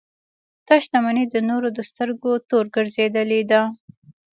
دا شتمنۍ د نورو د سترګو تور ګرځېدلې ده.